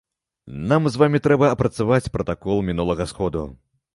Нам з вамі трэба апрацаваць пратакол мінулага сходу.